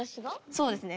そうですね。